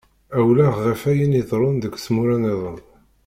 Awelleh ɣef ayen iḍeṛṛun deg tmura nniḍen.